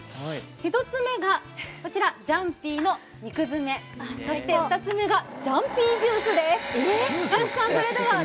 １つ目がこちら、ジャンピーの肉詰め、そして２つ目がジャンピージュースです。